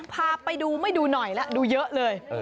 พาไปดูไม่ดูหน่อยแล้วดูเยอะเลย